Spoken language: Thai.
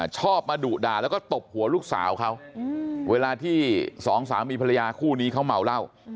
ชอบมาดุด่าแล้วก็ตบหัวลูกสาวเขาเวลาที่สองสามีภรรยาคู่นี้เขาเมาเหล้า